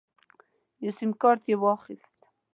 یو سیم کارت یې واخیست.